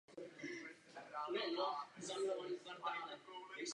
Stejnojmenný singl se v mnoha zemích dostal do první desítky písní v hitparádách.